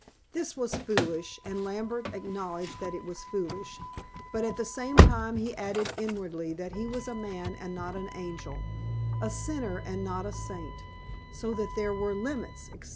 This was foolish, and Lambert acknowledged that it was foolish, but at the same time he added inwardly that he was a man and not an angel, a sinner and not a saint, so that there were limits, etc.